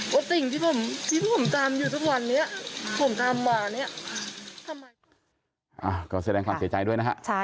ว่าสิ่งที่ผมทำอยู่ทุกวันนี้ผมทำหมาเนี่ย